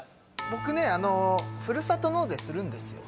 僕ねふるさと納税するんですよ。